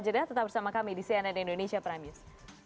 jeda tetap bersama kami di cnn indonesia prime news